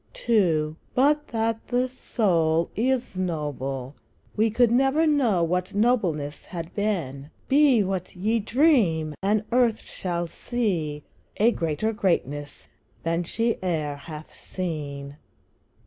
II. But that the soul is noble, we Could never know what nobleness had been; Be what ye dream! and earth shall see A greater greatness than she e'er hath seen.